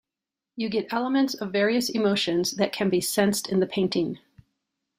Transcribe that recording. You get elements of various emotions that can be sensed in the painting.